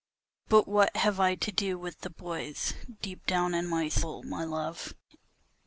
But what have I to do with the boys, deep down in my soul, my love?